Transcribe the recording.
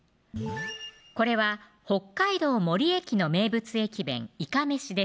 これは北海道・森駅の名物駅弁「いかめし」です